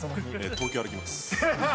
東京を歩きます。